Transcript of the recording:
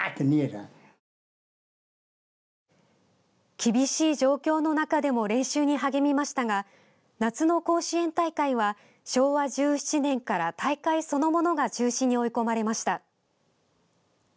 厳しい状況の中でも練習に励みましたが夏の甲子園大会は昭和１７年から大会そのものが中止に追い込まれました。